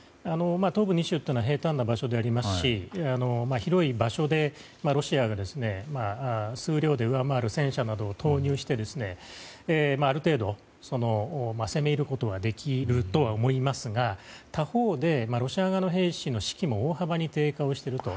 東部２州は平たんな場所でありますし広い場所でロシアが数量で上回る戦車などを投入してある程度、攻め入ることはできるとは思いますが他方で、ロシア側の兵士の士気も大幅に低下をしていると。